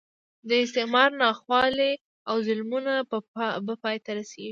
د استعمار ناخوالې او ظلمونه به پای ته ورسېږي.